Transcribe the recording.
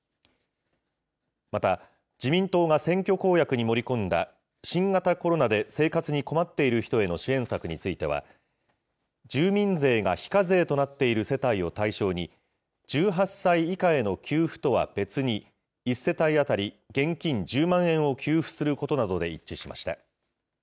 また、自民党が選挙公約に盛り込んだ新型コロナで生活に困っている人への支援策については、住民税が非課税となっている世帯を対象に、１８歳以下への給付とは別に、１世帯当たり現金１０万円を給付することなどで一致しました。